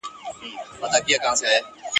پر ټولۍ باندي راغلی یې اجل دی ..